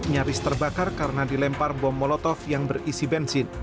nyaris terbakar karena dilempar bom molotov yang berisi bensin